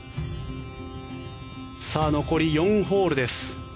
残り４ホールです。